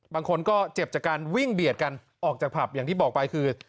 บางคนก็เจ็บจากการวิ่งเบียดกันออกจากผับอย่างที่บอกไปคือ